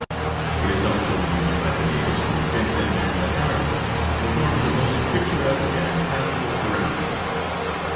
It is also used by the natives to fence in their mud houses, and forms a most picturesque and impassable surrounding.